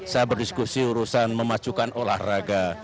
saya berdiskusi urusan memajukan olahraga